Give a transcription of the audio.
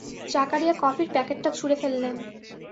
জাকারিয়া কফির প্যাকেটটা ছুঁড়ে ফেললেন।